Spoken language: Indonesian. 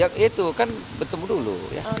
koalisi bersatu kan bertemu dulu